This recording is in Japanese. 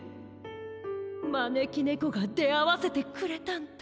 まねきねこがであわせてくれたんだって。